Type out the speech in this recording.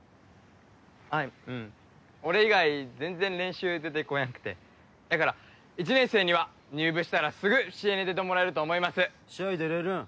はいうん俺以外全然練習出てこやんくてだから１年生には入部したらすぐ試合に出てもらえると思います試合出れるん？